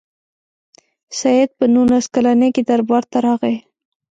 سید په نولس کلني کې دربار ته راغی.